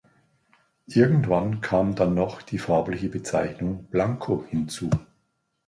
Irgendwann kam dann noch die farbliche Bezeichnung Blanco hinzu.